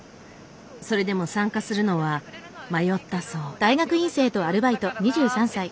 それでも参加するのは迷ったそう。